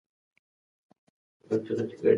شعر د کلیمو ښکلی انځور دی.